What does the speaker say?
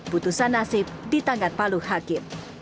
putusan nasib ditanggat paluh hakim